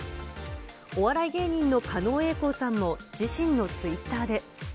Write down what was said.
お笑い芸人の狩野英孝さんも自身のツイッターで。